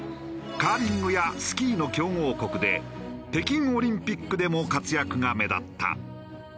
カーリングやスキーの強豪国で北京オリンピックでも活躍が目立った。